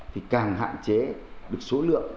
thì càng hạn chế được số lượng